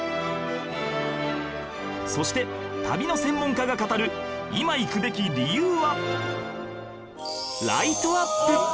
そして旅の専門家が語る今行くべき理由は